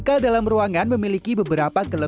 kita bisa memprediksi